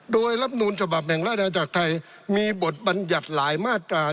โดยรับนูลฉบับแห่งราชนาจักรไทยมีบทบัญญัติหลายมาตรา